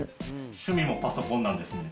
趣味もパソコンなんですね。